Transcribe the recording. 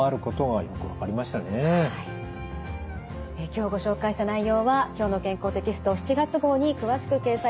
今日ご紹介した内容は「きょうの健康」テキスト７月号に詳しく掲載されています。